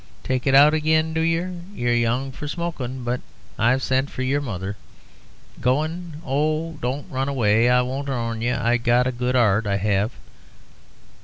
take it out again, do yer! you're young for smokin', but I've sent for yer mother.... Goin'? oh, don't run away: I won't 'arm yer. I've got a good 'art, I 'ave....